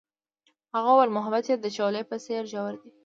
هغې وویل محبت یې د شعله په څېر ژور دی.